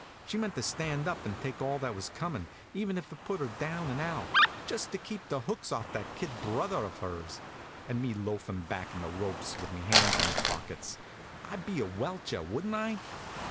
She meant to stand up and take all that was coming, even if it put her down and out, just to keep the hooks off that kid brother of hers. And me loafin' back of the ropes with me hands in me pockets! I'd been a welcher, wouldn't I?